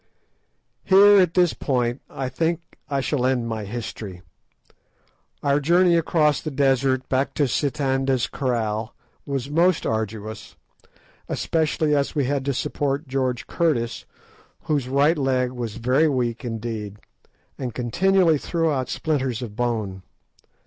Here, at this point, I think that I shall end my history. Our journey across the desert back to Sitanda's Kraal was most arduous, especially as we had to support George Curtis, whose right leg was very weak indeed, and continually threw out splinters of bone.